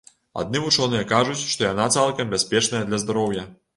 Адны вучоныя кажуць, што яна цалкам бяспечная для здароўя.